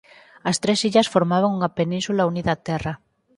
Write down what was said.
As tres illas formaban unha península unida a terra.